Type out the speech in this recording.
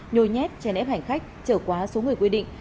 nhồi nhét trên ép hành khách trở qua số người quy định